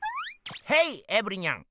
ヘイエブリニャン！